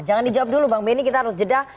jangan dijawab dulu bang benny kita harus jeda